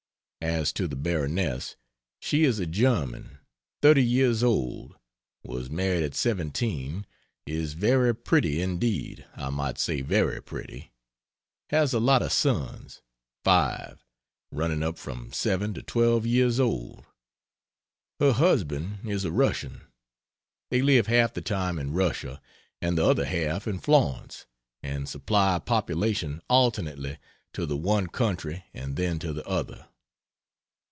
As to the Baroness. She is a German; 30 years old; was married at 17; is very pretty indeed I might say very pretty; has a lot of sons (5) running up from seven to 12 years old. Her husband is a Russian. They live half the time in Russia and the other half in Florence, and supply population alternately to the one country and then to the other.